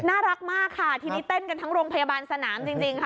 น่ารักมากค่ะทีนี้เต้นกันทั้งโรงพยาบาลสนามจริงค่ะ